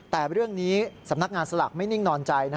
แต่เรื่องนี้สำนักงานสลากไม่นิ่งนอนใจ